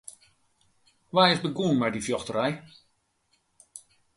Wa is begûn mei dy fjochterij?